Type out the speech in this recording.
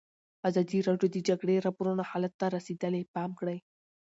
ازادي راډیو د د جګړې راپورونه حالت ته رسېدلي پام کړی.